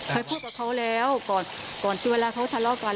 เคยพูดกับเขาแล้วก่อนที่เวลาเขาทะเลาะกัน